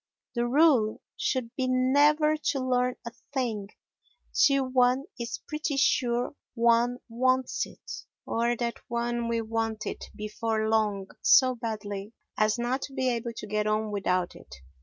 The rule should be never to learn a thing till one is pretty sure one wants it, or that one will want it before long so badly as not to be able to get on without it.